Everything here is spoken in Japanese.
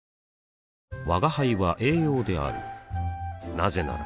なぜなら